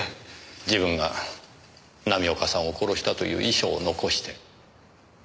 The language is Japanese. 自分が浪岡さんを殺したという遺書を残して。